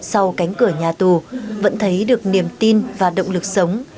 sau cánh cửa nhà tù vẫn thấy được niềm tin và động lực sống